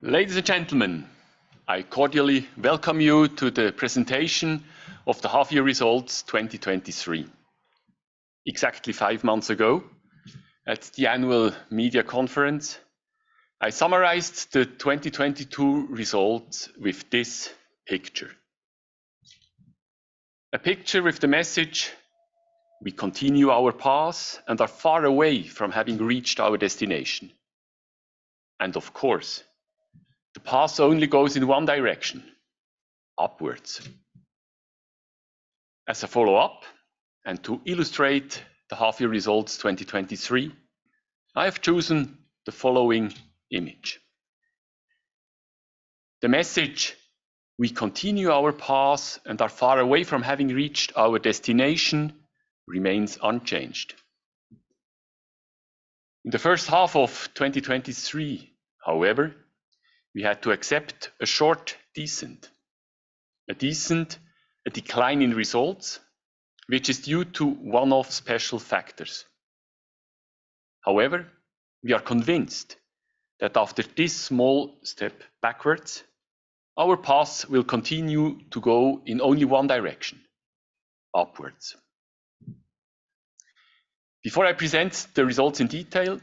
Ladies and gentlemen, I cordially welcome you to the presentation of the Half-year results 2023. Exactly five months ago, at the Annual media conference, I summarized the 2022 results with this picture. A picture with the message: we continue our path and are far away from having reached our destination. Of course, the path only goes in one direction, upwards. As a follow-up, and to illustrate the Half-year results 2023, I have chosen the following image. The message, we continue our path and are far away from having reached our destination, remains unchanged. In the first half of 2023, however, we had to accept a short descent. A descent, a decline in results, which is due to one-off special factors. However, we are convinced that after this small step backwards, our path will continue to go in only one direction, upwards. Before I present the results in detail,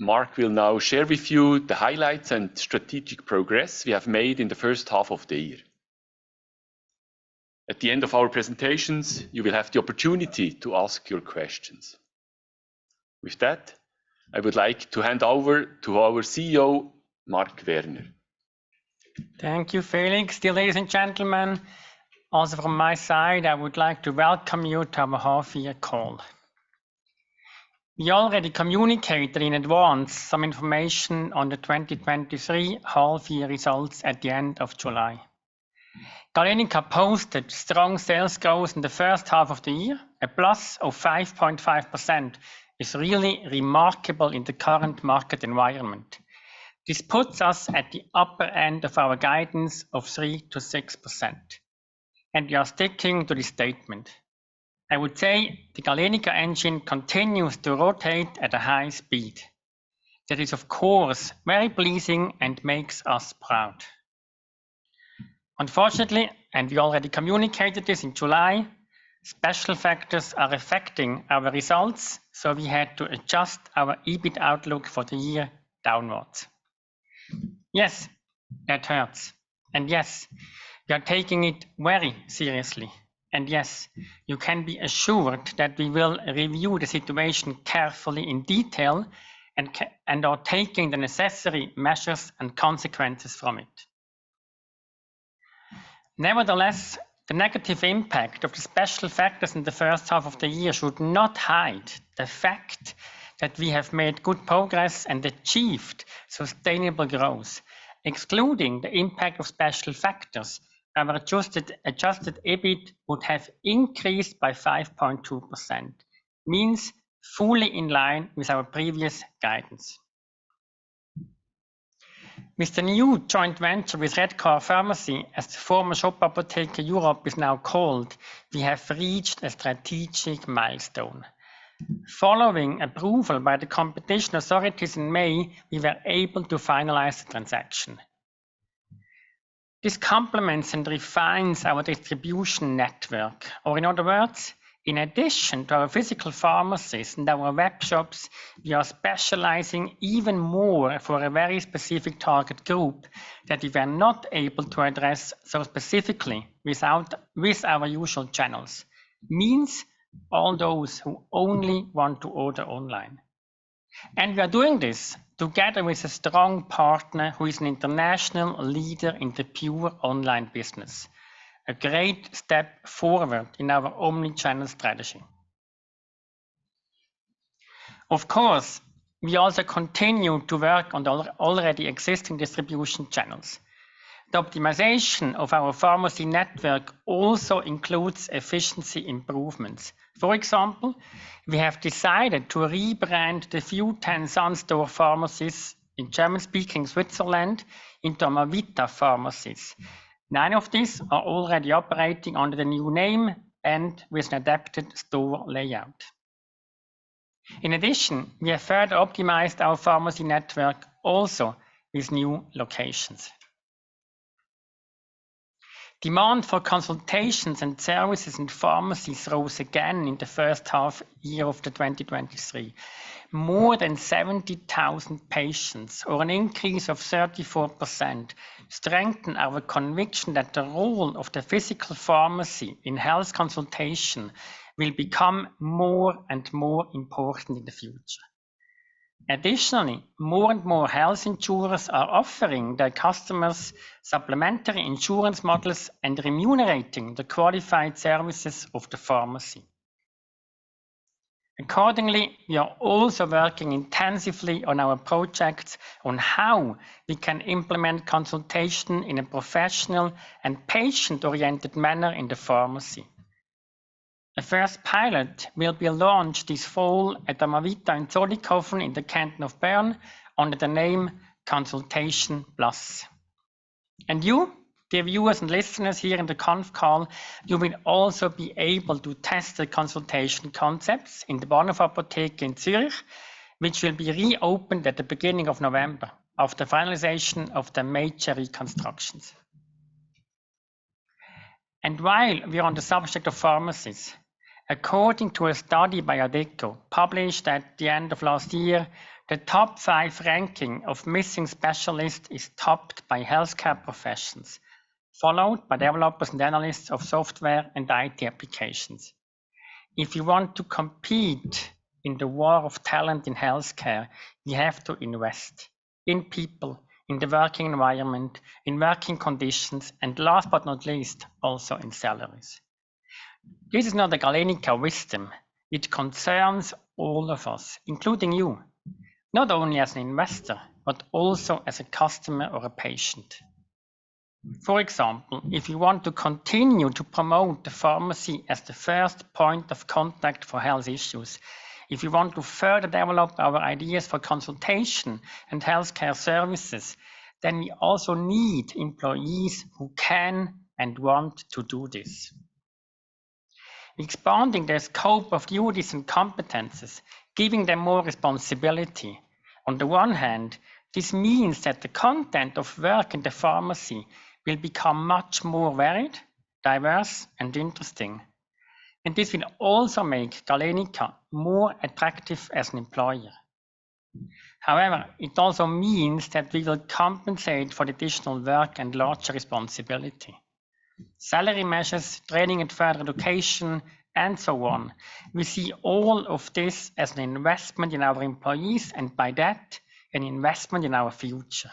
Marc will now share with you the highlights and strategic progress we have made in the first half of the year. At the end of our presentations, you will have the opportunity to ask your questions. With that, I would like to hand over to our CEO, Marc Werner. Thank you, Felix. Dear ladies and gentlemen, also from my side, I would like to welcome you to our half-year call. We already communicated in advance some information on the 2023 half-year results at the end of July. Galenica posted strong sales growth in the first half of the year. A plus of 5.5% is really remarkable in the current market environment. This puts us at the upper end of our guidance of 3-6%, and we are sticking to this statement. I would say the Galenica engine continues to rotate at a high speed. That is, of course, very pleasing and makes us proud. Unfortunately, and we already communicated this in July, special factors are affecting our results, so we had to adjust our EBIT outlook for the year downwards. Yes, that hurts, and yes, we are taking it very seriously, and yes, you can be assured that we will review the situation carefully in detail, and are taking the necessary measures and consequences from it. Nevertheless, the negative impact of the special factors in the first half of the year should not hide the fact that we have made good progress and achieved sustainable growth. Excluding the impact of special factors, our adjusted, adjusted EBIT would have increased by 5.2%, means fully in line with our previous guidance. With the new joint venture with Redcare Pharmacy, as the former Shop Apotheke Europe is now called, we have reached a strategic milestone. Following approval by the competition authorities in May, we were able to finalize the transaction. This complements and refines our distribution network, or in other words, in addition to our physical pharmacies and our web shops, we are specializing even more for a very specific target group that we were not able to address so specifically with our usual channels. Means all those who only want to order online. We are doing this together with a strong partner who is an international leader in the pure online business, a great step forward in our omni-channel strategy. Of course, we also continue to work on the already existing distribution channels. The optimization of our pharmacy network also includes efficiency improvements. For example, we have decided to rebrand the few 10 Sun Store pharmacies in German-speaking Switzerland into Amavita pharmacies. Nine of these are already operating under the new name and with an adapted store layout. In addition, we have further optimized our pharmacy network also with new locations. Demand for consultations and services in pharmacies rose again in the first half year of 2023. More than 70,000 patients, or an increase of 34%, strengthen our conviction that the role of the physical pharmacy in health consultation will become more and more important in the future. Additionally, more and more health insurers are offering their customers supplementary insurance models and remunerating the qualified services of the pharmacy. Accordingly, we are also working intensively on our projects on how we can implement consultation in a professional and patient-oriented manner in the pharmacy. The first pilot will be launched this fall at the Amavita in Zollikofen under the name Consultation Plus. You, dear viewers and listeners here in the confrence call, you will also be able to test the consultation concepts in the Bahnhof-Apotheke in Zurich, which will be reopened at the beginning of November, after finalization of the major reconstructions. While we are on the subject of pharmacies, according to a study by addito, published at the end of last year, the top five ranking of missing specialists is topped by healthcare professions, followed by developers and analysts of software and IT applications. If you want to compete in the war of talent in healthcare, you have to invest in people, in the working environment, in working conditions, and last but not least, also in salaries. This is not a Galenica wisdom, it concerns all of us, including you, not only as an investor, but also as a customer or a patient. For example, if you want to continue to promote the pharmacy as the first point of contact for health issues, if you want to further develop our ideas for consultation and healthcare services, then we also need employees who can and want to do this. Expanding the scope of duties and competences, giving them more responsibility. On the one hand, this means that the content of work in the pharmacy will become much more varied, diverse, and interesting, and this will also make Galenica more attractive as an employer. However, it also means that we will compensate for the additional work and larger responsibility. Salary measures, training and further education, and so on. We see all of this as an investment in our employees, and by that, an investment in our future.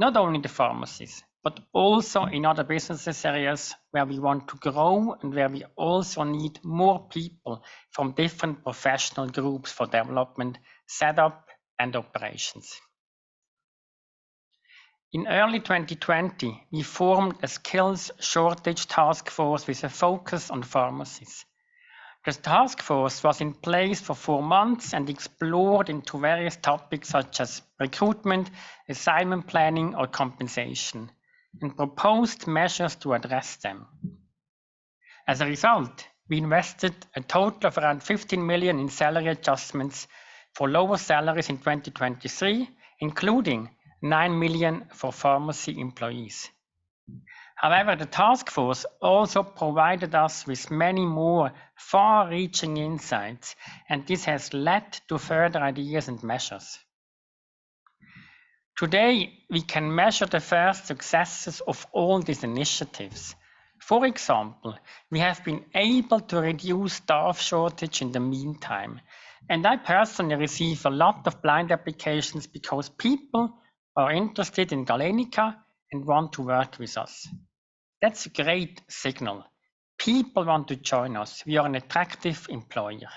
Not only in the pharmacies, but also in other business areas where we want to grow and where we also need more people from different professional groups for development, setup, and operations. In early 2020, we formed a skills shortage task force with a focus on pharmacies. This task force was in place for four months and explored into various topics such as recruitment, assignment planning, or compensation, and proposed measures to address them. As a result, we invested a total of around 15 million in salary adjustments for lower salaries in 2023, including 9 million for pharmacy employees. However, the task force also provided us with many more far-reaching insights, and this has led to further ideas and measures. Today, we can measure the first successes of all these initiatives. For example, we have been able to reduce staff shortage in the meantime, and I personally receive a lot of blind applications because people are interested in Galenica and want to work with us. That's a great signal. People want to join us. We are an attractive employer.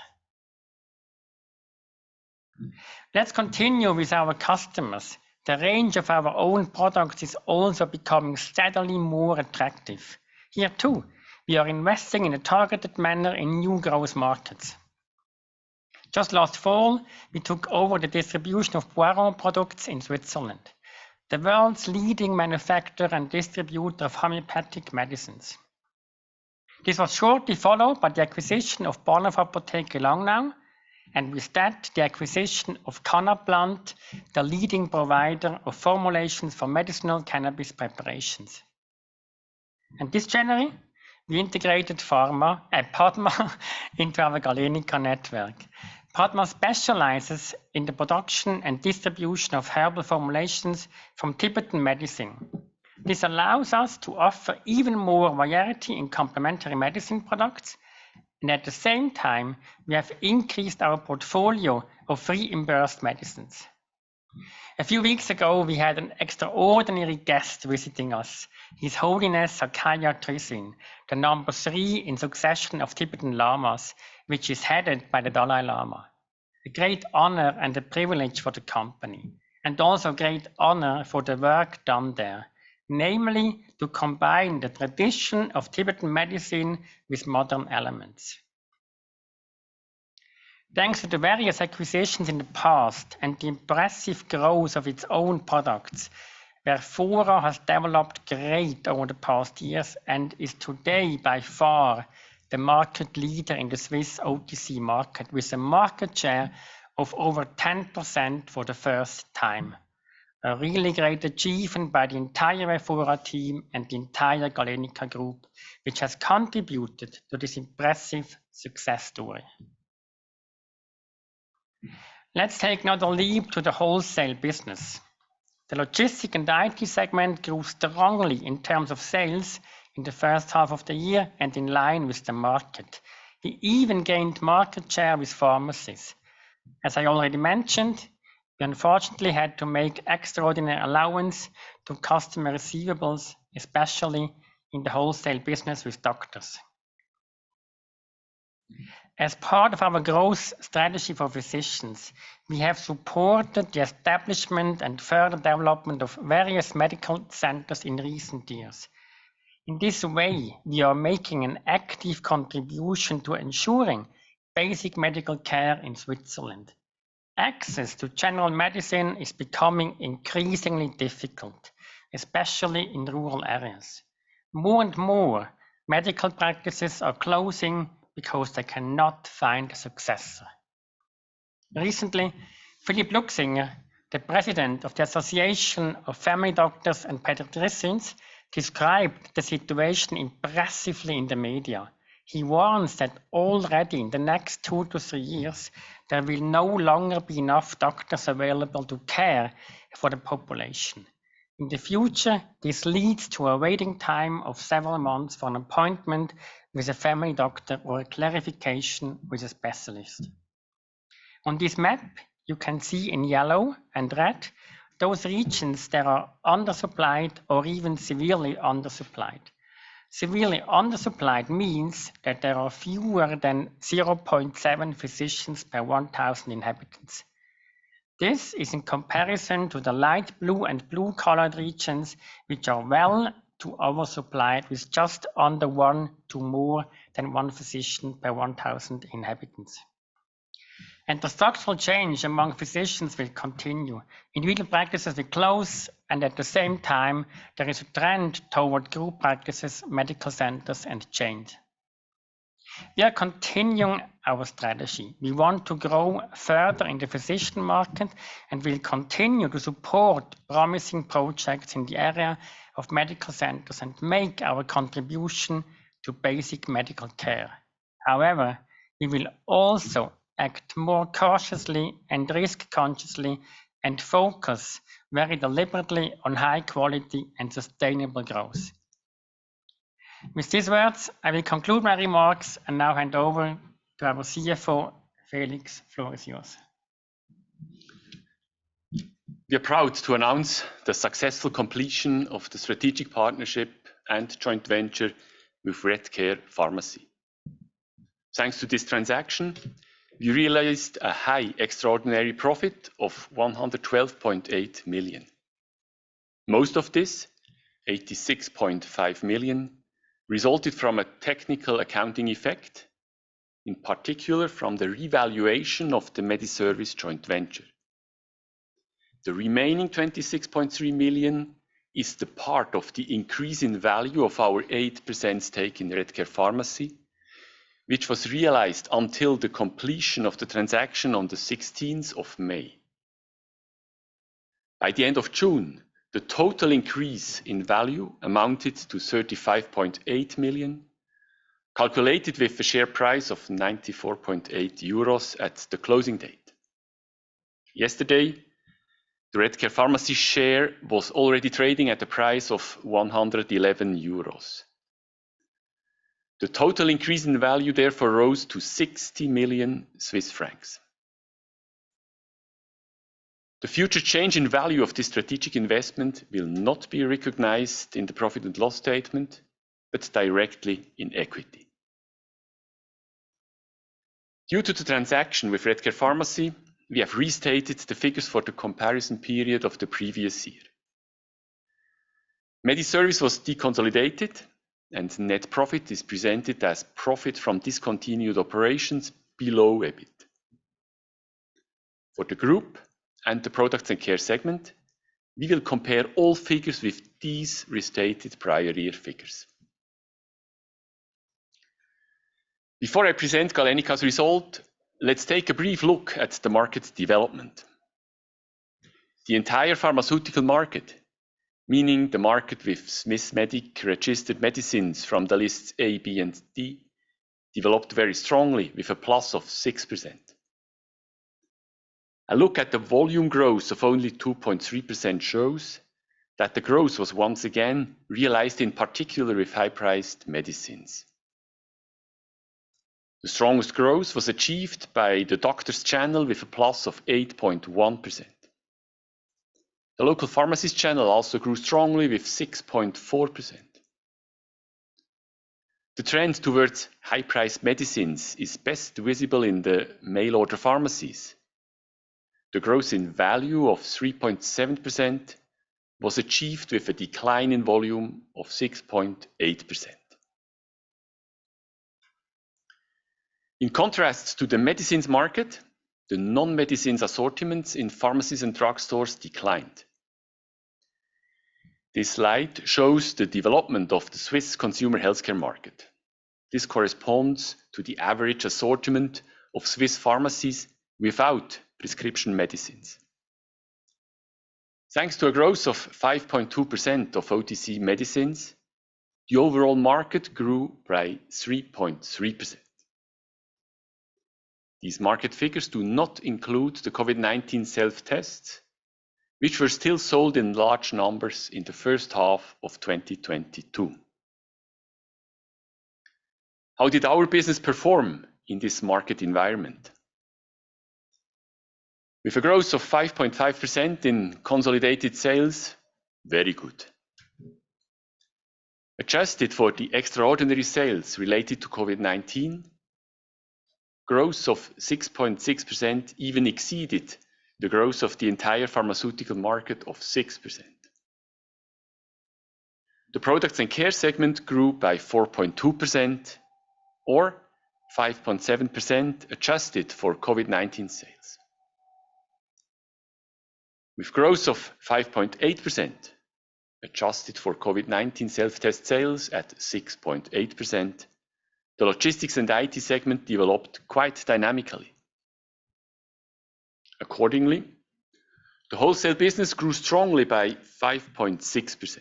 Let's continue with our customers. The range of our own products is also becoming steadily more attractive. Here, too, we are investing in a targeted manner in new growth markets. Just last fall, we took over the distribution of Boiron products in Switzerland, the world's leading manufacturer and distributor of homeopathic medicines. This was shortly followed by the acquisition of Bahnhof-Apotheke Langnau, and with that, the acquisition of Cannaplant, the leading provider of formulations for medicinal cannabis preparations. This January, we integrated Padma into our Galenica network. Padma specializes in the production and distribution of herbal formulations from Tibetan medicine. This allows us to offer even more variety in complementary medicine products, and at the same time, we have increased our portfolio of free reimbursed medicines. A few weeks ago, we had an extraordinary guest visiting us, His Holiness Penpa Tsering, the number three in succession of Tibetan Lamas, which is headed by the Dalai Lama. A great honor and a privilege for the company, and also great honor for the work done there, namely, to combine the tradition of Tibetan medicine with modern elements. Thanks to the various acquisitions in the past and the impressive growth of its own products, Verfora has developed great over the past years, and is today by far the market leader in the Swiss OTC market, with a market share of over 10% for the first time. A really great achievement by the entire Verfora team and the entire Galenica Group, which has contributed to this impressive success story. Let's take now a leap to the wholesale business. The logistics and IT segment grew strongly in terms of sales in the first half of the year and in line with the market. We even gained market share with pharmacies. As I already mentioned, we unfortunately had to make extraordinary allowance to customer receivables, especially in the wholesale business with doctors. As part of our growth strategy for physicians, we have supported the establishment and further development of various medical centers in recent years. In this way, we are making an active contribution to ensuring basic medical care in Switzerland. Access to general medicine is becoming increasingly difficult, especially in rural areas. More and more medical practices are closing because they cannot find a successor. Recently, Philippe Luchsinger the president of the Association of Family Doctors and Pediatricians, described the situation impressively in the media. He warns that already in the next two to three years, there will no longer be enough doctors available to care for the population. In the future, this leads to a waiting time of several months for an appointment with a family doctor or a clarification with a specialist. On this map, you can see in yellow and red those regions that are undersupplied or even severely undersupplied. Severely undersupplied means that there are fewer than 0.7 physicians per 1,000 inhabitants. This is in comparison to the light blue and blue-colored regions, which are well- to oversupplied, with just under 1 to >1 physician per 1,000 inhabitants. The structural change among physicians will continue. Individual practices will close, and at the same time, there is a trend toward group practices, medical centers, and chains. We are continuing our strategy. We want to grow further in the physician market and will continue to support promising projects in the area of medical centers and make our contribution to basic medical care. However, we will also act more cautiously and risk-consciously, and focus very deliberately on high quality and sustainable growth. With these words, I will conclude my remarks and now hand over to our CFO, Felix. Floor is yours. We are proud to announce the successful completion of the strategic partnership and joint venture with Redcare Pharmacy. Thanks to this transaction, we realized a high extraordinary profit of 112.8 million. Most of this, 86.5 million, resulted from a technical accounting effect, in particular from the revaluation of the Mediservice joint venture. The remaining 26.3 million is the part of the increase in value of our 8% stake in Redcare Pharmacy, which was realized until the completion of the transaction on 16 May. By the end of June, the total increase in value amounted to 35.8 million, calculated with the share price of 94.8 euros at the closing date. Yesterday, the Redcare Pharmacy share was already trading at a price of 111 euros. The total increase in value therefore rose to 60 million Swiss francs. The future change in value of this strategic investment will not be recognized in the profit and loss statement, but directly in equity. Due to the transaction with Redcare Pharmacy, we have restated the figures for the comparative period of the previous year. Mediservice was deconsolidated, and net profit is presented as profit from discontinued operations below EBIT. For the group and the products and care segment, we will compare all figures with these restated prior year figures. Before I present Galenica's result, let's take a brief look at the market development. The entire pharmaceutical market, meaning the market with Swissmedic registered medicines from the lists A, B, and D, developed very strongly, with a plus of 6%. A look at the volume growth of only 2.3% shows that the growth was once again realized, in particular with high-priced medicines. The strongest growth was achieved by the doctor's channel, with a plus of 8.1%. The local pharmacist channel also grew strongly with 6.4%. The trend towards high-priced medicines is best visible in the mail-order pharmacies. The growth in value of 3.7% was achieved with a decline in volume of 6.8%. In contrast to the medicines market, the non-medicines assortments in pharmacies and drugstores declined. This slide shows the development of the Swiss consumer healthcare market. This corresponds to the average assortment of Swiss pharmacies without prescription medicines. Thanks to a growth of 5.2% of OTC medicines, the overall market grew by 3.3%. These market figures do not include the COVID-19 self-tests, which were still sold in large numbers in the first half of 2022. How did our business perform in this market environment? With a growth of 5.5% in consolidated sales, very good. Adjusted for the extraordinary sales related to COVID-19, growth of 6.6% even exceeded the growth of the entire pharmaceutical market of 6%. The products and care segment grew by 4.2% or 5.7%, adjusted for COVID-19 sales. With growth of 5.8%, adjusted for COVID-19 self-test sales at 6.8%, the logistics and IT segment developed quite dynamically. Accordingly, the wholesale business grew strongly by 5.6%.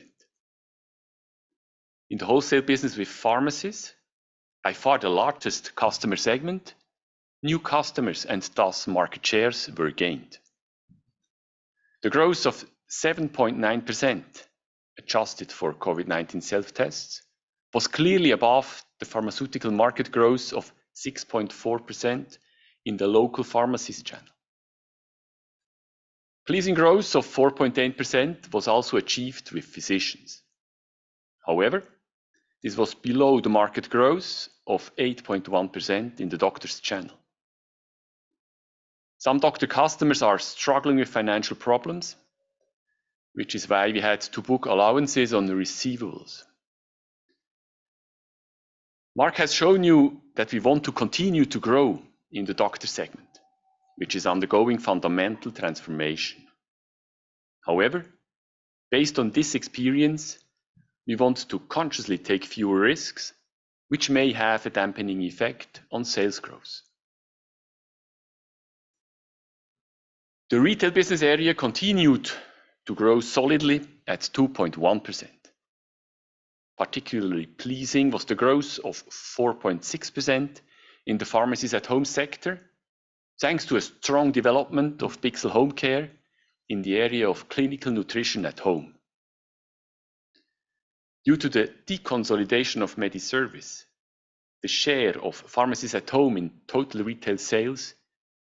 In the wholesale business with pharmacies, by far the largest customer segment, new customers and thus market shares were gained. The growth of 7.9%, adjusted for COVID-19 self-tests, was clearly above the pharmaceutical market growth of 6.4% in the local pharmacies channel. Pleasing growth of 4.8% was also achieved with physicians. This was below the market growth of 8.1% in the doctors channel. Some doctor customers are struggling with financial problems, which is why we had to book allowances on the receivables. Mark has shown you that we want to continue to grow in the doctor segment, which is undergoing fundamental transformation. Based on this experience, we want to consciously take fewer risks, which may have a dampening effect on sales growth. The retail business area continued to grow solidly at 2.1%. Particularly pleasing was the growth of 4.6% in the pharmacies at home sector, thanks to a strong development of Bichsel Homecare in the area of clinical nutrition at home. Due to the deconsolidation of Mediservice, the share of pharmacies at home in total retail sales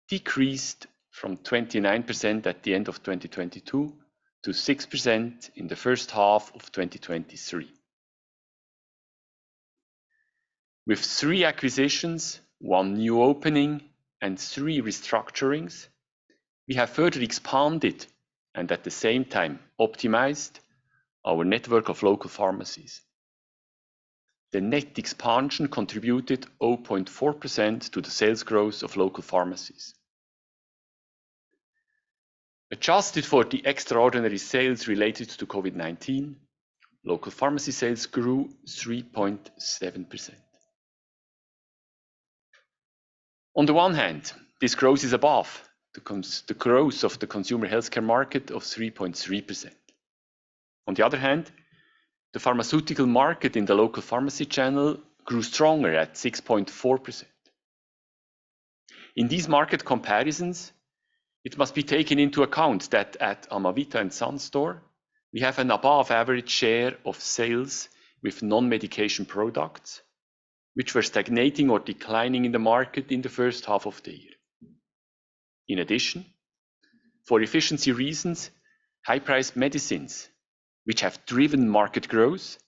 decreased from 29% at the end of 2022 to 6% in the first half of 2023. With 3 acquisitions, 1 new opening, and three restructurings, we have further expanded and at the same time optimized our network of local pharmacies. The net expansion contributed 0.4% to the sales growth of local pharmacies. Adjusted for the extraordinary sales related to COVID-19, local pharmacy sales grew 3.7%. On the one hand, this growth is above the growth of the consumer healthcare market of 3.3%. On the other hand, the pharmaceutical market in the local pharmacy channel grew stronger at 6.4%. In these market comparisons, it must be taken into account that at Amavita and Sun Store, we have an above-average share of sales with non-medication products, which were stagnating or declining in the market in the first half of the year. In addition, for efficiency reasons, high-priced medicines, which have driven market growth,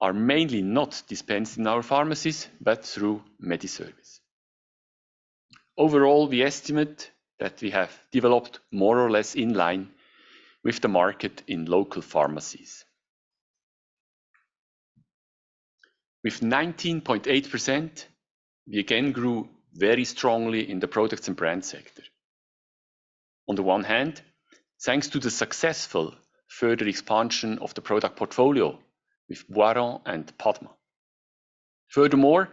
are mainly not dispensed in our pharmacies, but through Mediservice. Overall, we estimate that we have developed more or less in line with the market in local pharmacies. With 19.8%, we again grew very strongly in the products and brand sector. On the one hand, thanks to the successful further expansion of the product portfolio with Boiron and Padma. Furthermore,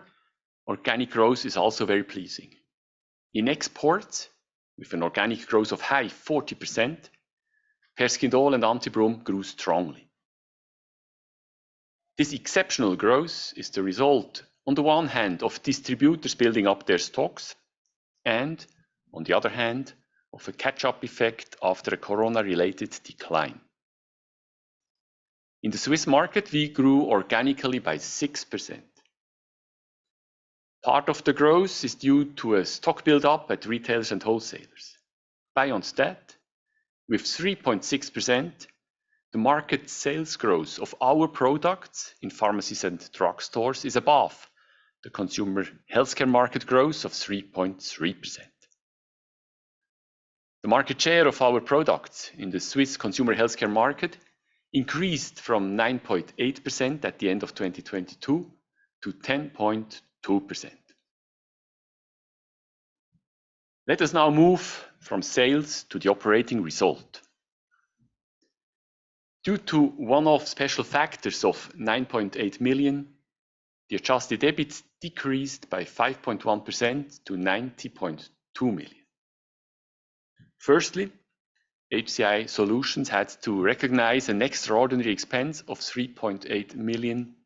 organic growth is also very pleasing. In exports, with an organic growth of high 40%, Perskindol and Anti-Brumm grew strongly. This exceptional growth is the result, on the one hand, of distributors building up their stocks, and on the other hand, of a catch-up effect after a corona-related decline. In the Swiss market, we grew organically by 6%. Part of the growth is due to a stock build-up at retailers and wholesalers. Beyond that, with 3.6%, the market sales growth of our products in pharmacies and drug stores is above the consumer healthcare market growth of 3.3%. The market share of our products in the Swiss consumer healthcare market increased from 9.8% at the end of 2022 to 10.2%. Let us now move from sales to the operating result. Due to one-off special factors of 9.8 million, the adjusted EBIT decreased by 5.1% to 90.2 million. Firstly, HCI Solutions had to recognize an extraordinary expense of 3.8 million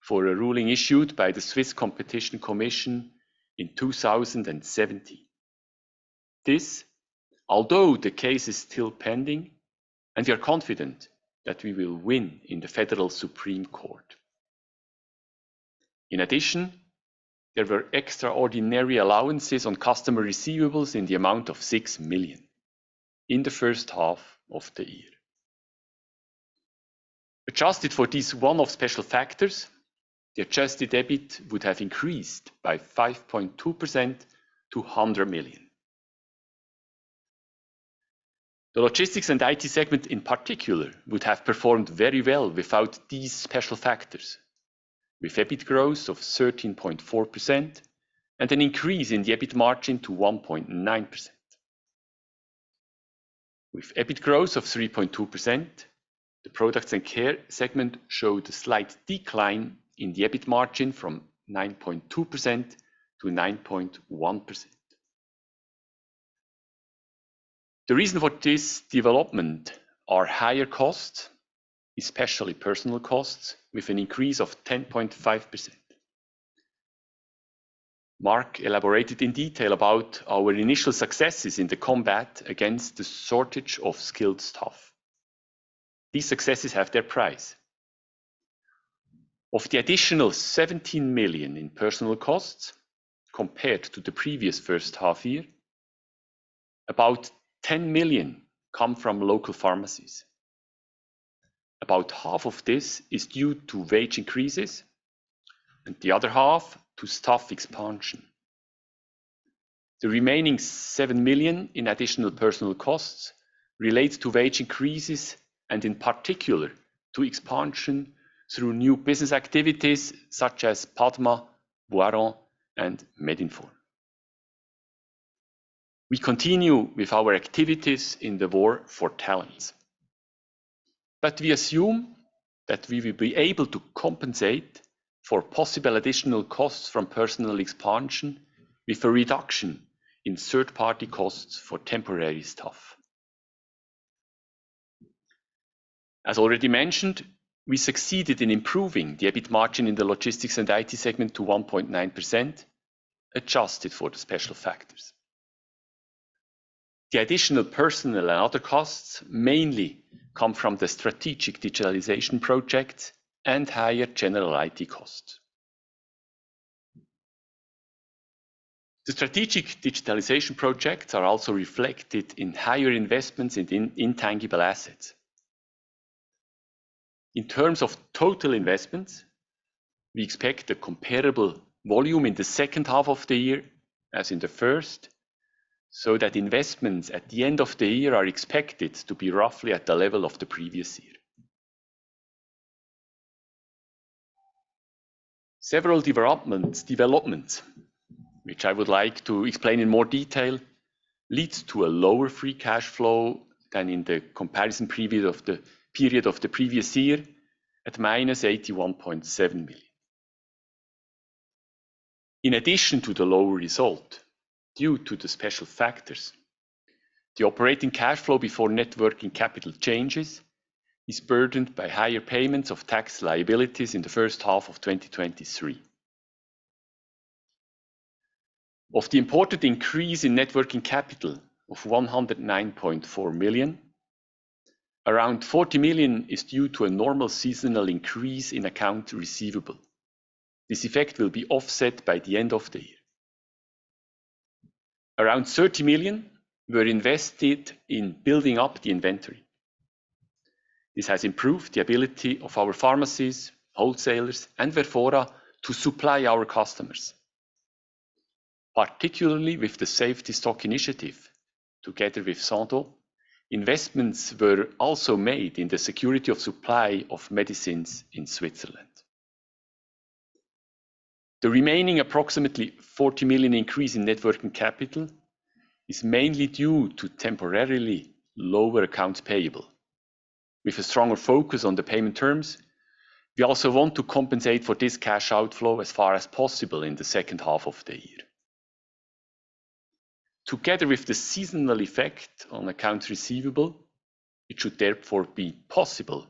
for a ruling issued by the Swiss Competition Commission in 2017. This, although the case is still pending, and we are confident that we will win in the Federal Supreme Court. In addition, there were extraordinary allowances on customer receivables in the amount of 6 million in the first half of the year. Adjusted for these one-off special factors, the adjusted EBIT would have increased by 5.2% to 100 million. The logistics and IT segment in particular, would have performed very well without these special factors, with EBIT growth of 13.4% and an increase in the EBIT margin to 1.9%. With EBIT growth of 3.2%, the products and care segment showed a slight decline in the EBIT margin from 9.2% to 9.1%. The reason for this development are higher costs, especially personal costs, with an increase of 10.5%. Mark elaborated in detail about our initial successes in the combat against the shortage of skilled staff. These successes have their price. Of the additional 17 million in personal costs, compared to the previous first half year, about 10 million come from local pharmacies. About half of this is due to wage increases, and the other half to staff expansion. The remaining 7 million in additional personal costs relates to wage increases, and in particular, to expansion through new business activities such as Padma, Boiron, and Medinform. We continue with our activities in the war for talents, we assume that we will be able to compensate for possible additional costs from personal expansion with a reduction in third-party costs for temporary staff. As already mentioned, we succeeded in improving the EBIT margin in the logistics and IT segment to 1.9%, adjusted for the special factors. The additional personnel and other costs mainly come from the strategic digitalization project and higher general IT costs. The strategic digitalization projects are also reflected in higher investments in intangible assets. In terms of total investments, we expect a comparable volume in the second half of the year as in the first, so that investments at the end of the year are expected to be roughly at the level of the previous year. Several developments, which I would like to explain in more detail, leads to a lower Free Cash Flow than in the comparative period of the previous year, at -81.7 million. In addition to the lower result, due to the special factors, the operating cash flow before net working capital changes is burdened by higher payments of tax liabilities in the first half of 2023. Of the important increase in net working capital of 109.4 million, around 40 million is due to a normal seasonal increase in accounts receivable. This effect will be offset by the end of the year. Around 30 million were invested in building up the inventory. This has improved the ability of our pharmacies, wholesalers, and Verfora to supply our customers. Particularly with the Safety Stock initiative, together with Sandoz, investments were also made in the security of supply of medicines in Switzerland. The remaining approximately 40 million increase in net working capital is mainly due to temporarily lower accounts payable. With a stronger focus on the payment terms, we also want to compensate for this cash outflow as far as possible in the second half of the year. Together with the seasonal effect on accounts receivable, it should therefore be possible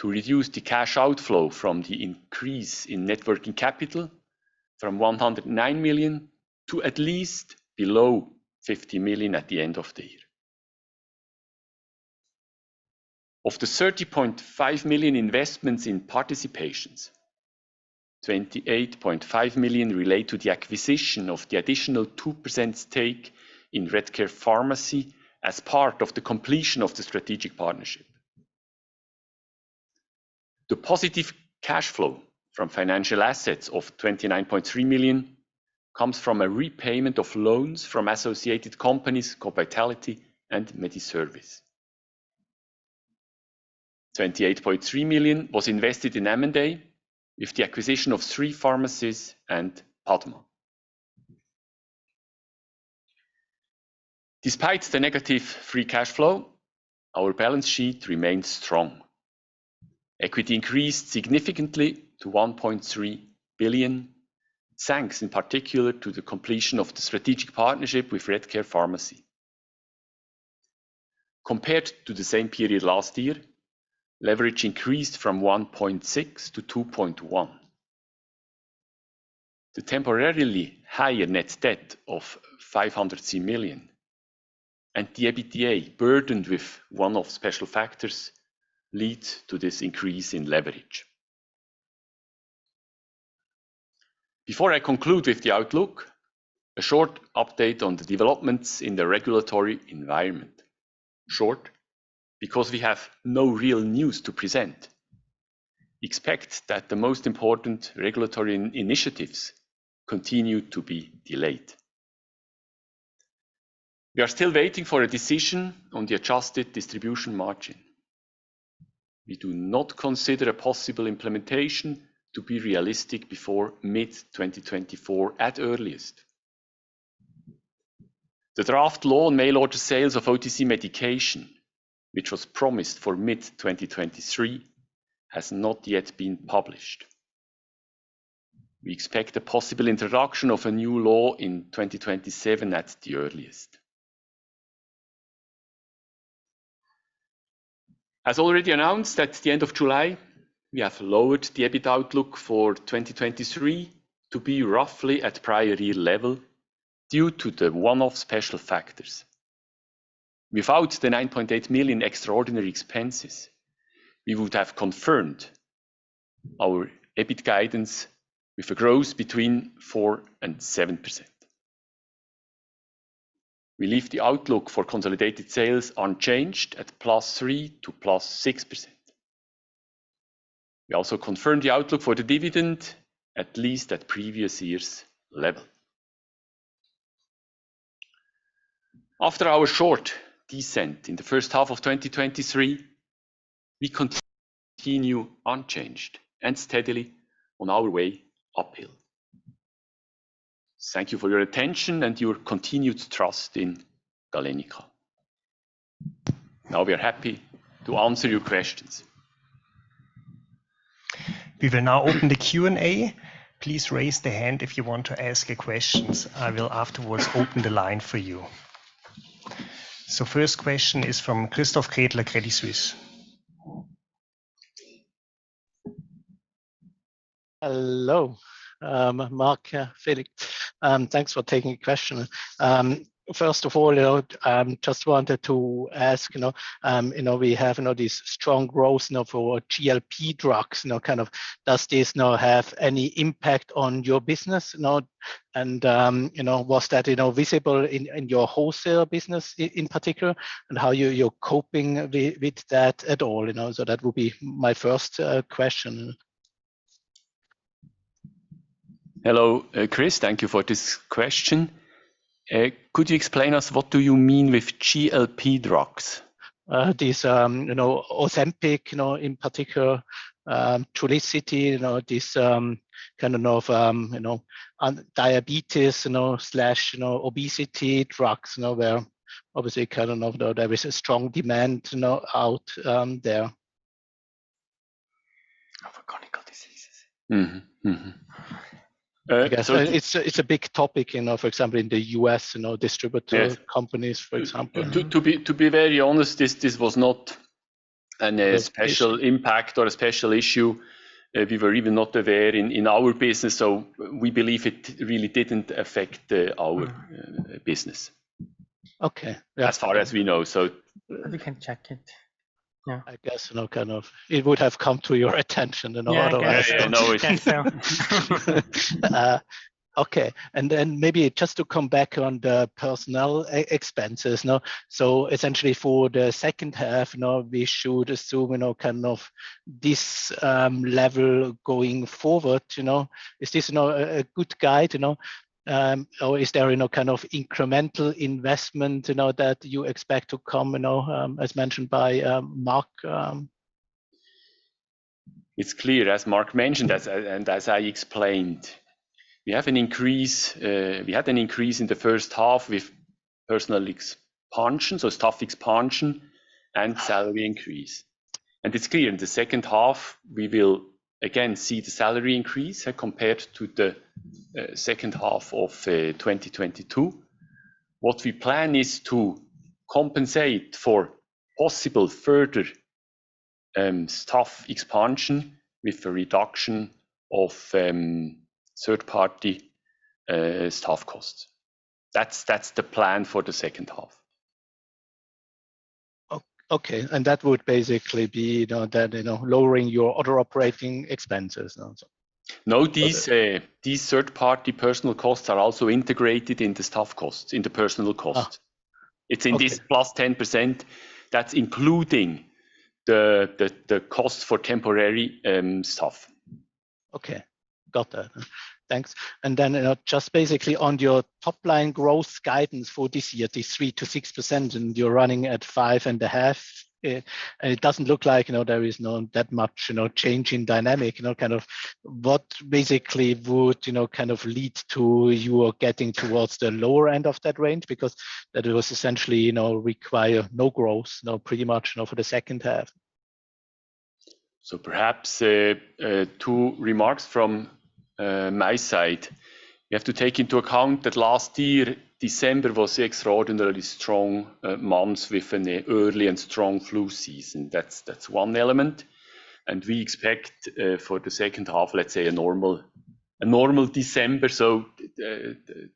to reduce the cash outflow from the increase in net working capital from 109 million to at least below 50 million at the end of the year. Of the 30.5 million investments in participations, 28.5 million relate to the acquisition of the additional 2% stake in Redcare Pharmacy as part of the completion of the strategic partnership. The positive cash flow from financial assets of 29.3 million comes from a repayment of loans from associated companies, Copitality and Mediservice. 28.3 million was invested in M&A with the acquisition of three pharmacies and Padma. Despite the negative free cash flow, our balance sheet remains strong. Equity increased significantly to 1.3 billion, thanks in particular to the completion of the strategic partnership with Redcare Pharmacy. Compared to the same period last year, leverage increased from 1.6 to 2.1. The temporarily higher net debt of 500 million and the EBITDA, burdened with one-off special factors, leads to this increase in leverage. Before I conclude with the outlook, a short update on the developments in the regulatory environment. Short, because we have no real news to present. We expect that the most important regulatory initiatives continue to be delayed. We are still waiting for a decision on the adjusted distribution margin. We do not consider a possible implementation to be realistic before mid-2024, at earliest. The draft law on mail-order sales of OTC medication, which was promised for mid-2023, has not yet been published. We expect a possible introduction of a new law in 2027, at the earliest. As already announced at the end of July, we have lowered the EBIT outlook for 2023 to be roughly at prior year level, due to the one-off special factors. Without the 9.8 million extraordinary expenses, we would have confirmed our EBIT guidance with a growth between 4% and 7%. We leave the outlook for consolidated sales unchanged at +3% to +6%. We also confirm the outlook for the dividend, at least at previous year's level. After our short descent in the first half of 2023, we continue unchanged and steadily on our way uphill. Thank you for your attention and your continued trust in Galenica. Now we are happy to answer your questions. We will now open the Q&A. Please raise the hand if you want to ask a questions, I will afterwards open the line for you. First question is from Christoph Käditler, Credit Suisse. Hello, Marc, Felix. Thanks for taking the question. First of all, you know, just wanted to ask, you know, we have, you know, this strong growth, you know, for GLP drugs, you know, kind of does this now have any impact on your business, you know? You know, was that, you know, visible in your wholesale business in particular, and how you're coping with that at all, you know? That would be my first question. Hello, Chris, thank you for this question. Could you explain us, what do you mean with GLP drugs? This, you know, Ozempic, you know, in particular, Trulicity, you know, this, kind of, you know, diabetes, you know, slash, you know, obesity drugs, you know, where obviously, kind of, you know, there is a strong demand, you know, out, there. For chronic diseases. Mm-hmm. Mm-hmm. It's a, it's a big topic, you know, for example, in the U.S., you know, distributor- Yes... companies, for example. To be very honest, this was not an. Yes... special impact or a special issue. We were even not aware in, in our business, so we believe it really didn't affect our business. Okay. As far as we know, so- We can check it. Yeah. I guess, you know, kind of it would have come to your attention, you know, otherwise. Yeah. Yeah, no. Okay. Maybe just to come back on the personnel expenses, you know. Essentially for the second half, you know, we should assume, you know, kind of this level going forward, you know? Is this, you know, a good guide, you know, or is there any kind of incremental investment, you know, that you expect to come, you know, as mentioned by Marc? It's clear, as Marc mentioned, as I explained, we have an increase, we had an increase in the first half with personal expansion, so staff expansion and salary increase. It's clear, in the second half, we will again see the salary increase compared to the second half of 2022. What we plan is to compensate for possible further staff expansion with a reduction of third-party staff costs. That's, that's the plan for the second half. Okay, that would basically be, you know, that, you know, lowering your other operating expenses, and so on. No, these, these third-party personal costs are also integrated in the staff costs, in the personal costs. Ah, okay. It's in this plus 10%, that's including the, the, the cost for temporary staff. Okay. Got that. Thanks. Then, you know, just basically on your top-line growth guidance for this year, the 3%-6%, and you're running at 5.5%, and it doesn't look like, you know, there is not that much, you know, change in dynamic. You know, kind of what basically would, you know, kind of lead to you getting towards the lower end of that range? Because that would essentially, you know, require no growth, you know, pretty much, you know, for the second half. Perhaps, two remarks from my side. You have to take into account that last year, December was extraordinarily strong months with an early and strong flu season. That's, that's one element, we expect for the second half, let's say, a normal, a normal December.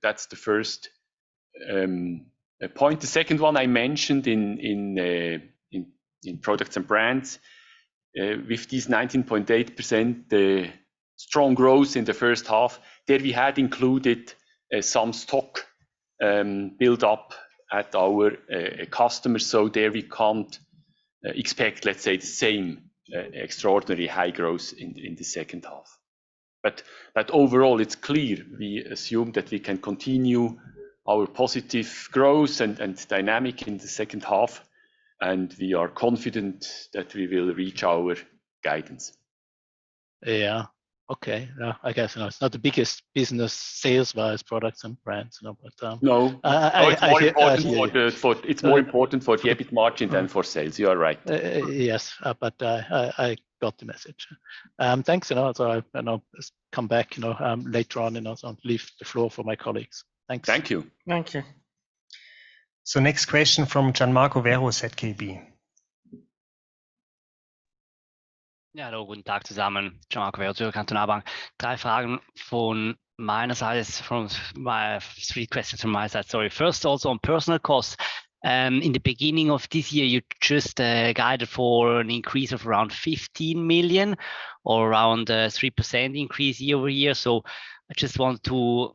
That's the first point. The second one I mentioned in, in in, in products and brands, with this 19.8%, the strong growth in the first half, there we had included some stock build up at our customer, there we can't expect, let's say, the same extraordinary high growth in, in the second half. Overall, it's clear we assume that we can continue our positive growth and, and dynamic in the second half, we are confident that we will reach our guidance. Yeah. Okay. I guess, you know, it's not the biggest business sales-wise, products and brands, you know, but. No. It's more important for EBIT margin than for sales. You are right. Yes, I, I got the message. Thanks, you know, I, you know, just come back, you know, later on, also leave the floor for my colleagues. Thanks. Thank you. Thank you. Next question from Gianmarco Vero at ZKB. Yeah, hello, Gianmarco Vero, Kantonalbank. Three questions from my side, three questions from my side, sorry. First, also on personal costs. In the beginning of this year, you just guided for an increase of around 15 million or around 3% increase year-over-year. I just want to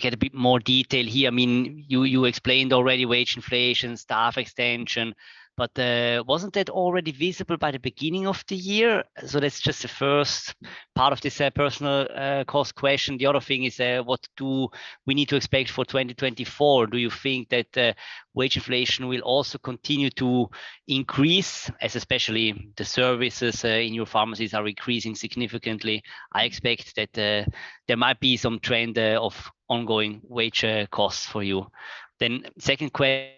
get a bit more detail here. I mean, you, you explained already wage inflation, staff extension, wasn't that already visible by the beginning of the year? That's just the first part of this personal cost question. The other thing is, what do we need to expect for 2024? Do you think that wage inflation will also continue to increase, as especially the services in your pharmacies are increasing significantly? I expect that there might be some trend of ongoing wage costs for you. Second question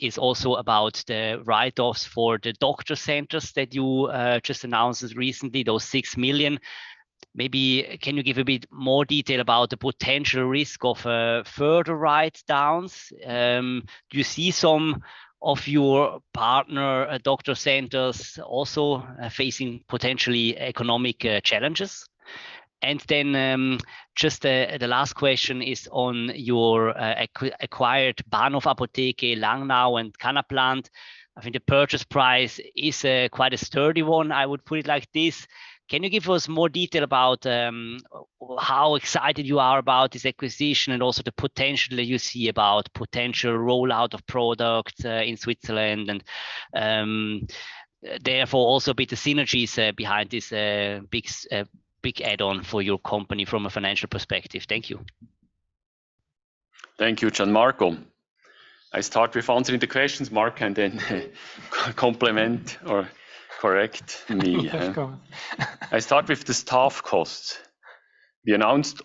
is also about the write-offs for the medical centers that you just announced recently, those 6 million. Maybe can you give a bit more detail about the potential risk of further write-downs? Do you see some of your partner medical centers also facing potentially economic challenges? Just the last question is on your acquired Bahnhof-Apotheke Langnau and Cannaplant. I think the purchase price is quite a sturdy one, I would put it like this. Can you give us more detail about how excited you are about this acquisition, and also the potential you see about potential rollout of products in Switzerland? Therefore, also a bit of synergies behind this big add-on for your company from a financial perspective. Thank you. Thank you, Gianmarco. I start with answering the questions, Marc. Then compliment or correct me. Of course. I start with the staff costs. We announced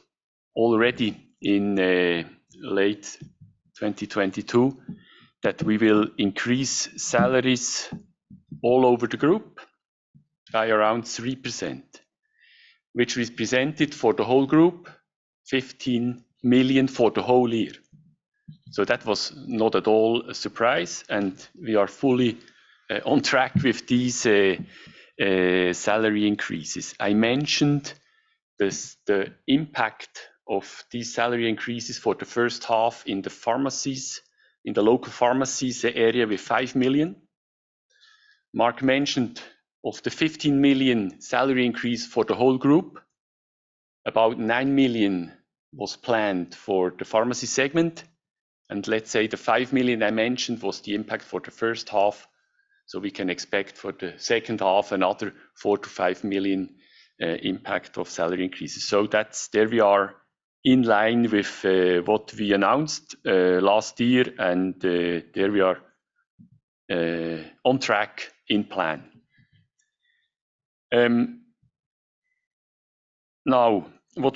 already in late 2022 that we will increase salaries all over the group by around 3%, which represented for the whole group, 15 million for the whole year. That was not at all a surprise, and we are fully on track with these salary increases. I mentioned this, the impact of these salary increases for the first half in the pharmacies, in the local pharmacies area with 5 million. Mark mentioned, of the 15 million salary increase for the whole group, about 9 million was planned for the pharmacy segment, and let's say the 5 million I mentioned was the impact for the first half. We can expect for the second half, another 4 million-5 million impact of salary increases. That's there we are in line with what we announced last year, and there we are on track in plan. What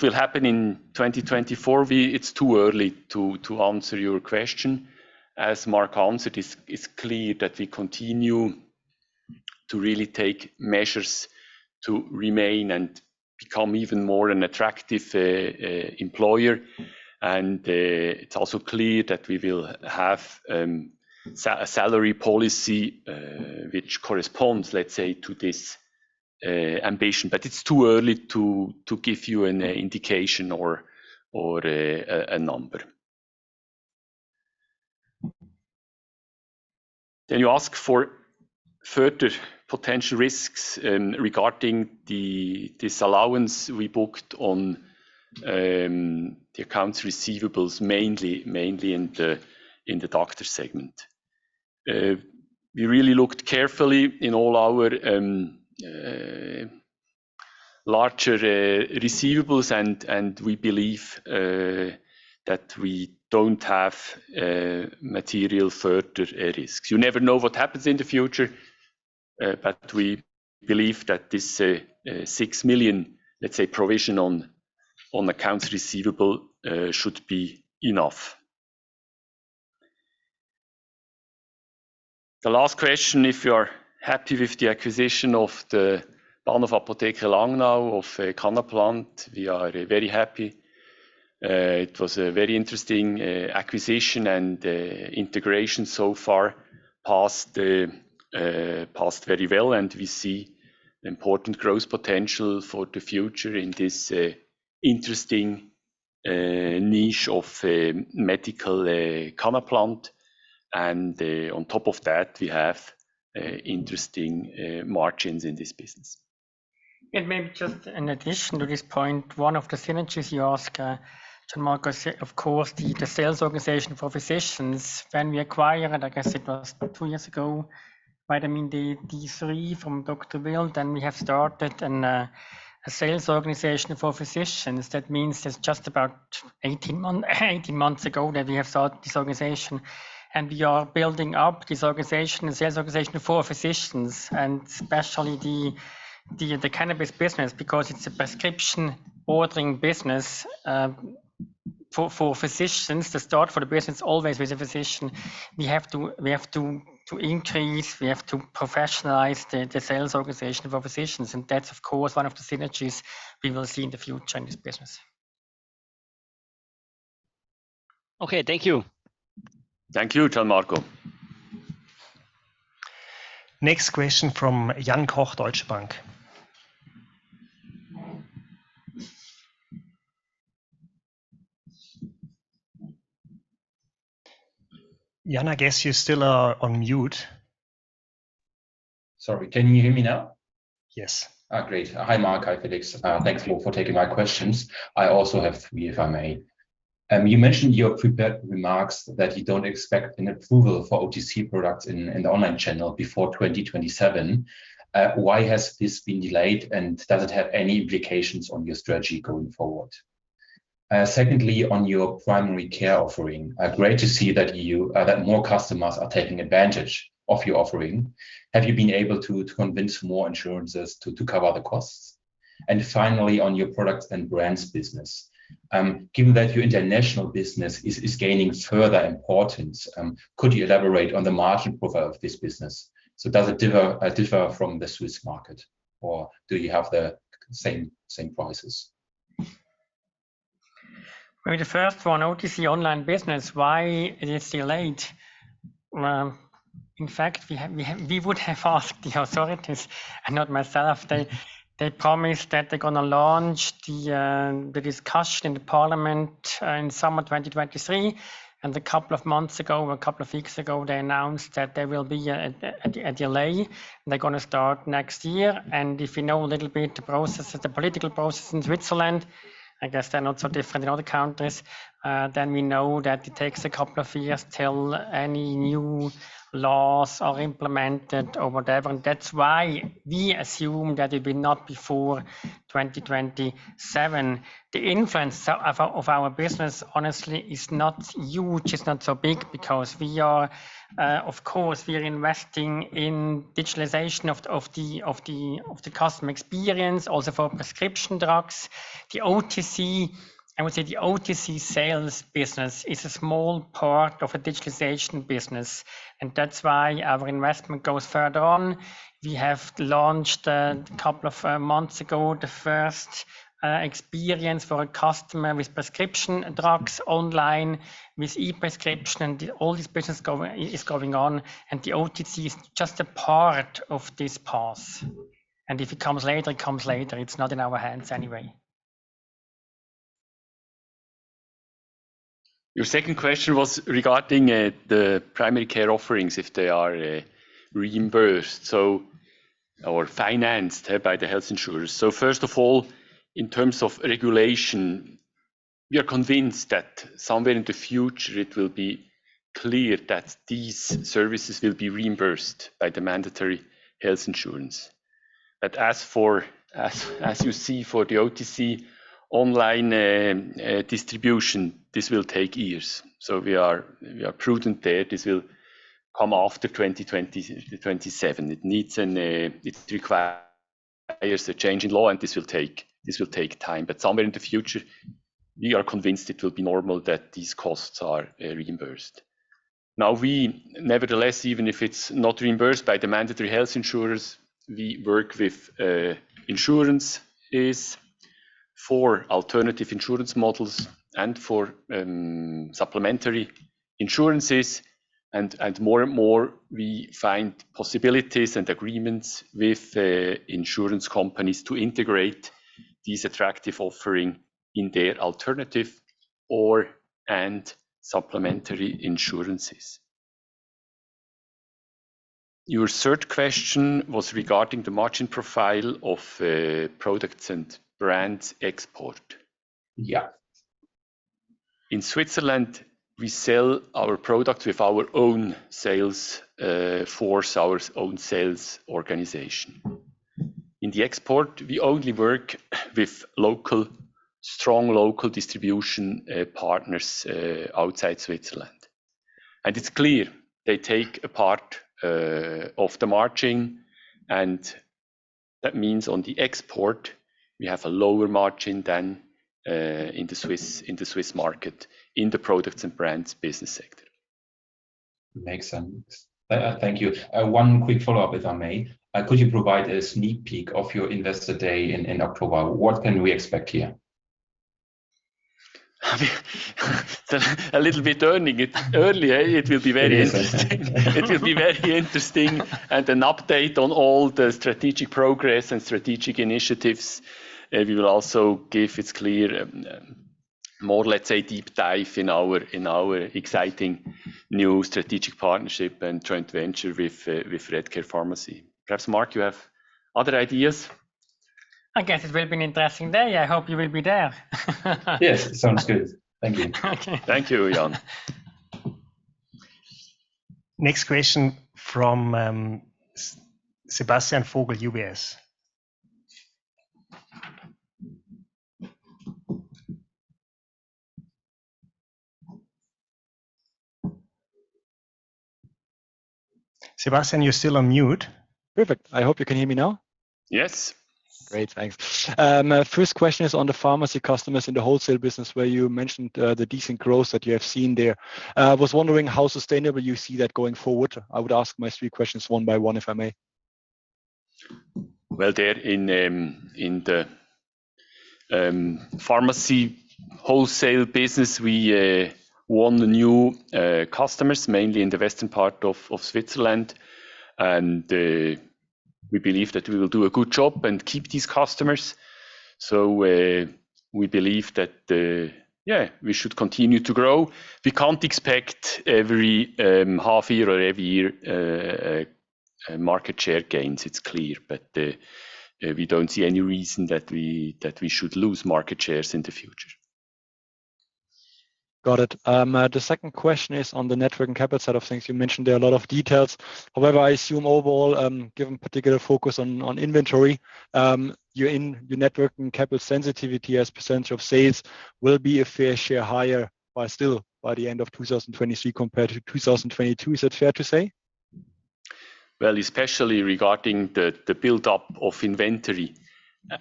will happen in 2024? It's too early to answer your question. As Marc answered, it's clear that we continue to really take measures to remain and become even more an attractive employer. It's also clear that we will have a salary policy which corresponds, let's say, to this ambition, it's too early to give you an indication or a number. You ask for further potential risks regarding the disallowance we booked on the accounts receivables, mainly in the doctor segment. We really looked carefully in all our larger receivables, and we believe that we don't have material further risks. You never know what happens in the future, but we believe that this 6 million, let's say, provision on accounts receivable should be enough. The last question, if you are happy with the acquisition of the Bahnhof-Apotheke Langnau of Cannaplant, we are very happy. It was a very interesting acquisition, and integration so far passed very well, and we see important growth potential for the future in this interesting niche of medical Cannaplant. On top of that, we have interesting margins in this business. Maybe just in addition to this point, one of the synergies you ask, Gianmarco, of course, the, the sales organization for physicians, when we acquire, and I guess it was two years ago, vitamin D, D3 from Dr. Wild, then we have started a sales organization for physicians. That means it's just about 18 months ago that we have started this organization, and we are building up this organization, a sales organization for physicians, and especially the, the, the cannabis business, because it's a prescription ordering business, for, for physicians to start for the business always with a physician. We have to, we have to, to increase, we have to professionalize the, the sales organization of our physicians, and that's, of course, one of the synergies we will see in the future in this business. Okay, thank you. Thank you, Gianmarco. Next question from Jan Koch, Deutsche Bank. Jan, I guess you still are on mute. Sorry. Can you hear me now? Yes. Great. Hi, Marc. Hi, Felix. Thanks a lot for taking my questions. I also have three, if I may. You mentioned in your prepared remarks that you don't expect an approval for OTC products in the online channel before 2027. Why has this been delayed, and does it have any implications on your strategy going forward? Secondly, on your primary care offering, great to see that you that more customers are taking advantage of your offering. Have you been able to convince more insurances to cover the costs? Finally, on your products and brands business, given that your international business is gaining further importance, could you elaborate on the margin profile of this business? Does it differ from the Swiss market, or do you have the same prices? Maybe the first one, OTC online business, why it is delayed? Well, in fact, we would have asked the authorities and not myself. They, they promised that they're gonna launch the discussion in the parliament in summer 2023, a couple of months ago, or a couple of weeks ago, they announced that there will be a delay, and they're gonna start next year. If you know a little bit the processes, the political process in Switzerland, I guess they're not so different in other countries, then we know that it takes a couple of years till any new laws are implemented or whatever. That's why we assume that it will not be before 2027. The influence of our, of our business, honestly, is not huge. It's not so big because we are... Of course, we are investing in digitalization of the customer experience, also for prescription drugs. The OTC, I would say, the OTC sales business is a small part of a digitalization business. That's why our investment goes further on. We have launched, a couple of months ago, the first experience for a customer with prescription drugs online, with e-prescription. All this business is going on. The OTC is just a part of this path. If it comes later, it comes later. It's not in our hands anyway. Your second question was regarding the primary care offerings, if they are reimbursed, so or financed by the health insurers. First of all, in terms of regulation, we are convinced that somewhere in the future it will be clear that these services will be reimbursed by the mandatory health insurance. As for, as you see, for the OTC online distribution, this will take years. We are, we are prudent there. This will come after 2027. It requires a change in law, and this will take time. Somewhere in the future, we are convinced it will be normal that these costs are reimbursed. Now, we nevertheless, even if it's not reimbursed by the mandatory health insurers, we work with insurances for alternative insurance models and for supplementary insurances, more and more, we find possibilities and agreements with insurance companies to integrate these attractive offering in their alternative or, and supplementary insurances. Your third question was regarding the margin profile of products and brands export. Yeah. In Switzerland, we sell our product with our own sales force, our own sales organization. In the export, we only work with local, strong local distribution partners outside Switzerland. It's clear they take a part of the margin, and that means on the export, we have a lower margin than in the Swiss market, in the products and brands business sector. Makes sense. Thank you. One quick follow-up, if I may. Could you provide a sneak peek of your Investor Day in, in October? What can we expect here? A little bit early. Early, it will be very interesting. Very interesting. It will be very interesting. An update on all the strategic progress and strategic initiatives. We will also give it is clear. More, let's say, deep dive in our, in our exciting new strategic partnership and joint venture with Redcare Pharmacy. Perhaps, Marc, you have other ideas? I guess it will be an interesting day. I hope you will be there. Yes, sounds good. Thank you. Okay. Thank you, Jan. Next question from Sebastian Vogel, UBS. Sebastian, you're still on mute. Perfect. I hope you can hear me now? Yes. Great, thanks. My first question is on the pharmacy customers in the wholesale business, where you mentioned the decent growth that you have seen there. I was wondering how sustainable you see that going forward? I would ask my three questions one by one, if I may. Well, there in, in the pharmacy wholesale business, we won the new customers, mainly in the western part of Switzerland, and we believe that we will do a good job and keep these customers. We believe that, yeah, we should continue to grow. We can't expect every half year or every year market share gains, it's clear. We don't see any reason that we, that we should lose market shares in the future. Got it. The second question is on the net working capital side of things. You mentioned there are a lot of details. However, I assume overall, given particular focus on, on inventory, your net working capital sensitivity as % of sales will be a fair share higher by still by the end of 2023 compared to 2022. Is that fair to say? Well, especially regarding the, the build-up of inventory,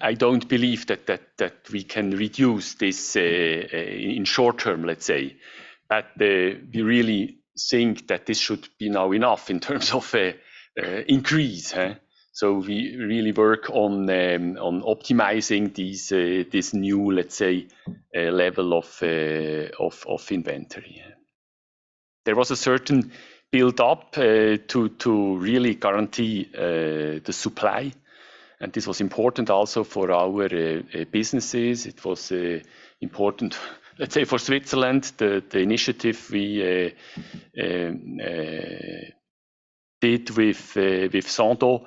I don't believe that, that, that we can reduce this in short term, let's say. We really think that this should be now enough in terms of a increase, huh? We really work on optimizing these this new, let's say, level of of of inventory. There was a certain build-up to to really guarantee the supply, and this was important also for our businesses. It was important, let's say, for Switzerland, the the initiative we did with with Sandoz,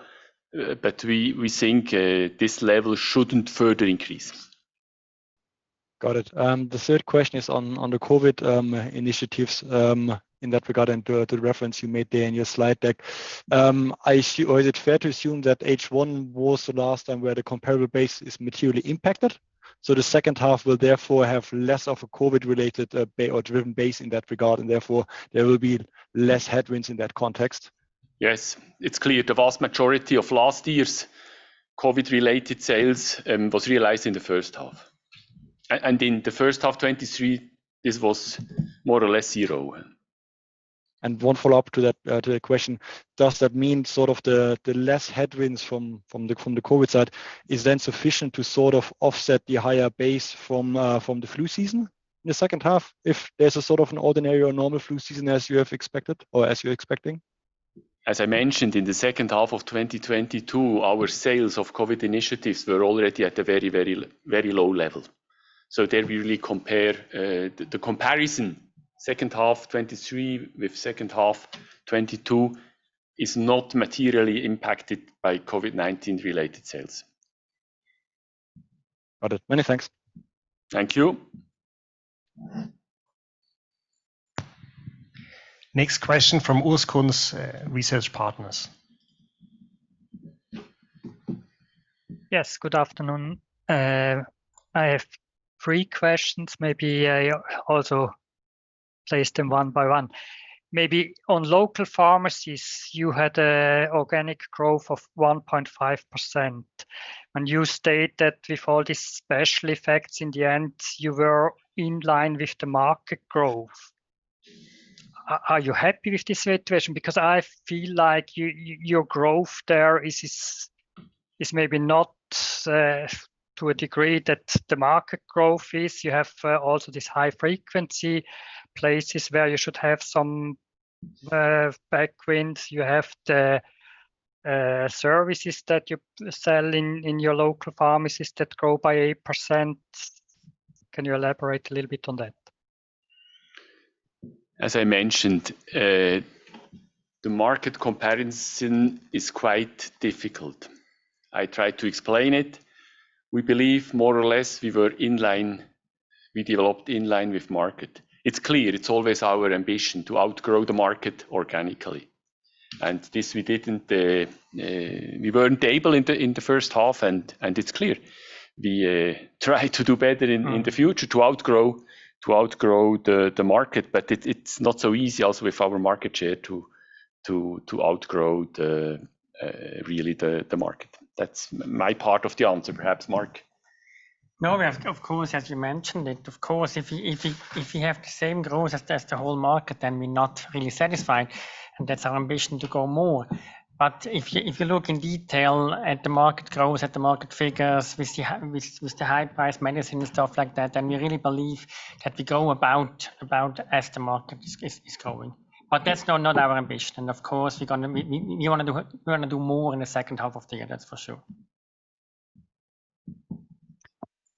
but we think this level shouldn't further increase. Got it. The third question is on, on the COVID initiatives in that regard, and to the reference you made there in your slide deck. Is it fair to assume that H1 was the last time where the comparable base is materially impacted? The second half will therefore have less of a COVID-related driven base in that regard, and therefore there will be less headwinds in that context. Yes, it's clear the vast majority of last year's COVID-related sales was realized in the first half. In the first half 2023, this was more or less zero. One follow-up to that, to the question, Does that mean sort of the, the less headwinds from, from the, from the COVID side is then sufficient to sort of offset the higher base from, from the flu season in the second half, if there's a sort of an ordinary or normal flu season as you have expected or as you're expecting? As I mentioned, in the second half of 2022, our sales of COVID initiatives were already at a very, very very low level. There we really compare. The comparison, second half 2023 with second half 2022, is not materially impacted by COVID-19-related sales. Got it. Many thanks. Thank you. Next question from Urs Kunz, Research Partners. Yes, good afternoon. I have three questions. Maybe I also place them one by one. Maybe on local pharmacies, you had a organic growth of 1.5%, and you state that with all these special effects, in the end, you were in line with the market growth. Are you happy with this situation? Because I feel like your growth there is, is, is maybe not to a degree that the market growth is. You have also this high-frequency places where you should have some backwinds. You have the services that you sell in your local pharmacies that grow by 8%. Can you elaborate a little bit on that? As I mentioned, the market comparison is quite difficult. I tried to explain it. We believe more or less we were in line, we developed in line with market. It's clear, it's always our ambition to outgrow the market organically. This we didn't. We weren't able in the first half. It's clear. We try to do better in, in the future to outgrow, to outgrow the market. It, it's not so easy also with our market share to outgrow the really, the market. That's my part of the answer. Perhaps, Marc? No, we have, of course, as you mentioned it, of course, if we, if we, if we have the same growth as, as the whole market, then we're not really satisfied, and that's our ambition, to grow more. If you, if you look in detail at the market growth, at the market figures, with the with, with the high-priced medicine and stuff like that, then we really believe that we grow about, about as the market is, is, is growing. That's not, not our ambition. Of course, we're gonna we, we, we wanna do, we wanna do more in the second half of the year, that's for sure.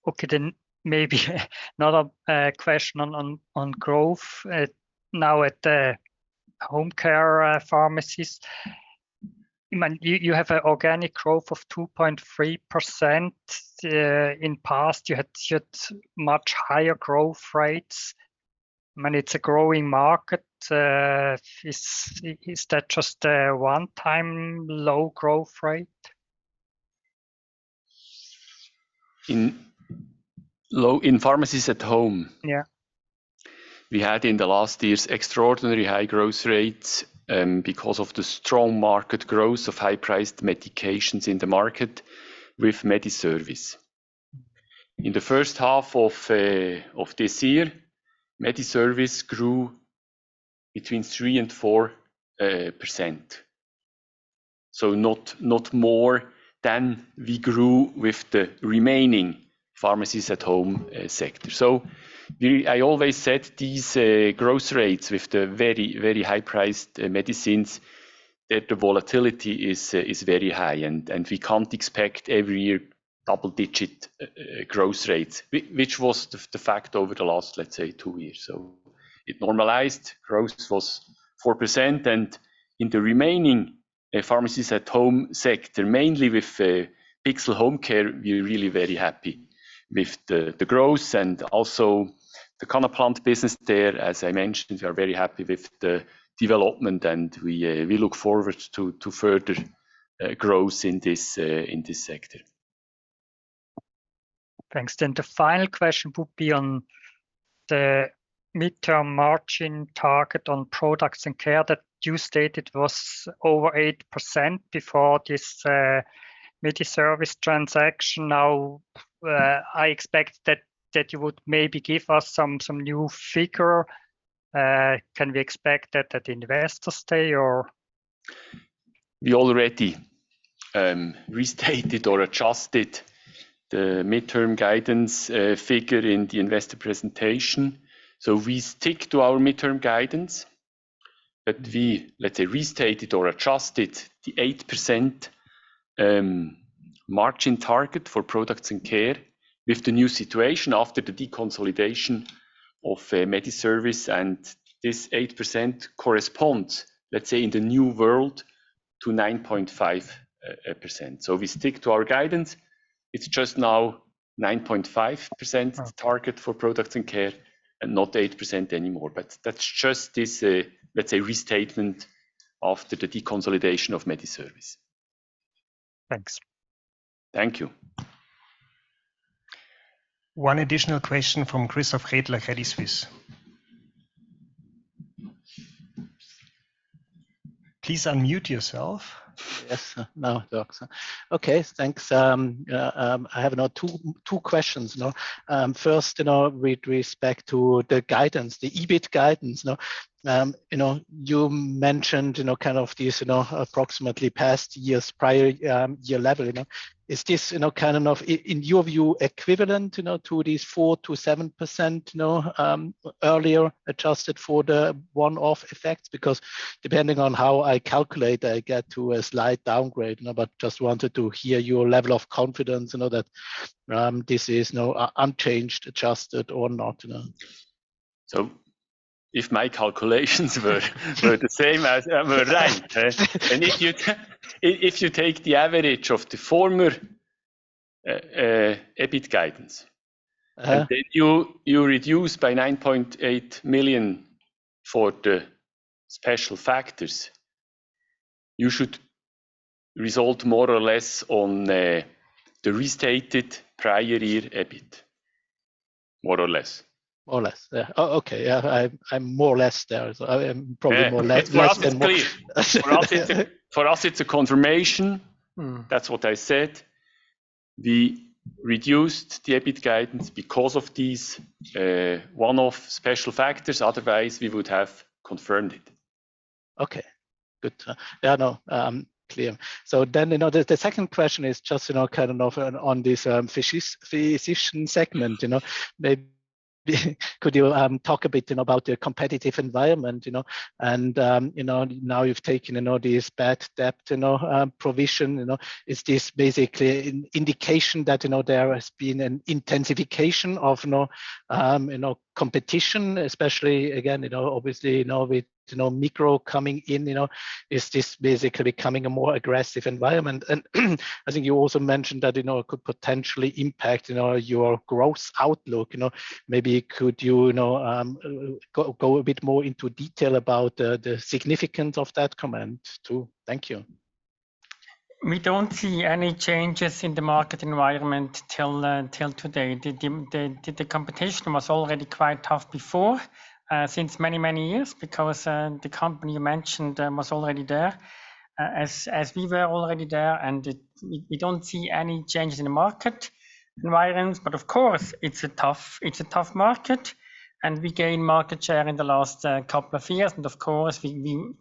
Okay, maybe another question on growth. At the home care pharmacies, you have an organic growth of 2.3%. In past, you had much higher growth rates. I mean, it's a growing market. Is that just a one-time low growth rate? In pharmacies at home? Yeah. We had in the last years, extraordinary high growth rates because of the strong market growth of high-priced medications in the market with Mediservice. In the first half of this year, Mediservice grew between 3% and 4%. Not, not more than we grew with the remaining pharmacies at home sector. I always said these growth rates with the very, very high-priced medicines, that the volatility is very high, and we can't expect every year double-digit growth rates. Which was the fact over the last, let's say, two years. It normalized. Growth was 4%, and in the remaining pharmacies at home sector, mainly with Bichsel Homecare, we're really very happy with the growth and also the Cannaplant business there. As I mentioned, we are very happy with the development. We, we look forward to, to further growth in this in this sector. Thanks. The final question would be on the midterm margin target on products and care that you stated was over 8% before this Mediservice transaction. Now, I expect that, that you would maybe give us some, some new figure. Can we expect that at Investor Day or? We already restated or adjusted the midterm guidance figure in the investor presentation. We stick to our midterm guidance, but we, let's say, restated or adjusted the 8% margin target for products and care with the new situation after the deconsolidation of Mediservice. This 8% corresponds, let's say, in the new world, to 9.5%. We stick to our guidance. It's just now 9.5%. Mm-hmm. the target for products and care, and not 8% anymore. That's just this, let's say, restatement after the deconsolidation of Mediservice. Thanks. Thank you. One additional question from Chris of Redcare Pharmacy. Please unmute yourself. Yes. Now it works. Okay, thanks. I have now two, two questions now. First, you know, with respect to the guidance, the EBIT guidance, no? You know, you mentioned, you know, kind of this, you know, approximately past years, prior, year level, you know. Is this, you know, kind of, in your view, equivalent, you know, to this 4%-7%, you know, earlier adjusted for the one-off effects? Because depending on how I calculate, I get to a slight downgrade, you know, but just wanted to hear your level of confidence, you know, that, this is now u-unchanged, adjusted or not, you know. If my calculations were right, and if you take the average of the former, EBIT guidance. Uh-huh And then you, you reduce by 9.8 million for the special factors, you should result more or less on, the restated prior year EBIT, more or less. More or less. Yeah. Oh, okay. Yeah, I'm, I'm more or less there. I am probably more less, than more. For us, it's clear. For us, it's a confirmation. Mm. That's what I said. We reduced the EBIT guidance because of these, one-off special factors. Otherwise, we would have confirmed it. Okay, good. Yeah, no, clear. You know, the, the second question is just, you know, kind of on, on this physicians segment, you know. Could you talk a bit, you know, about the competitive environment, you know? You know, now you've taken, you know, this bad debt, you know, provision, you know. Is this basically an indication that, you know, there has been an intensification of, you know, competition, especially again, you know, obviously, you know, with, you know, Migros coming in, you know, is this basically becoming a more aggressive environment? I think you also mentioned that, you know, it could potentially impact, you know, your growth outlook, you know. Maybe could you, you know, go, go a bit more into detail about the, the significance of that comment, too? Thank you. We don't see any changes in the market environment till till today. The competition was already quite tough before since many, many years, because the company you mentioned was already there as, as we were already there, we don't see any changes in the market environment. Of course, it's a tough market, and we gained market share in the last couple of years. Of course, we,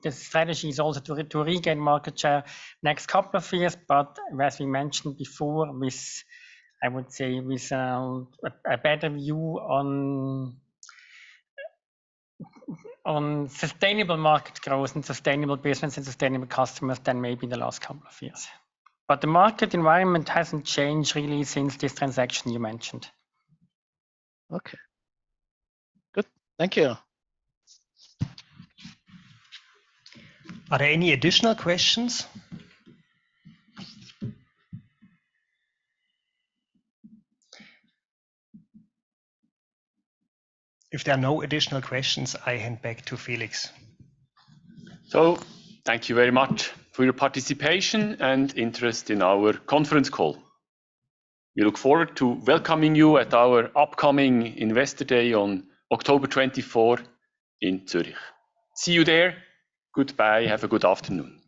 the strategy is also to regain market share next couple of years. As we mentioned before, with, I would say, with a better view on, sustainable market growth and sustainable business and sustainable customers than maybe in the last couple of years. The market environment hasn't changed really since this transaction you mentioned. Okay. Good. Thank you. Are there any additional questions? If there are no additional questions, I hand back to Felix. Thank you very much for your participation and interest in our conference call. We look forward to welcoming you at our upcoming Investor Day on October 24 in Zurich. See you there. Goodbye. Have a good afternoon.